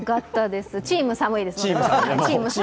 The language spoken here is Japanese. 「チーム寒い」ですので。